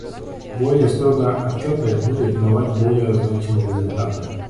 Более строгая отчетность будет давать более значимые результаты.